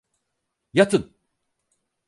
Yatın!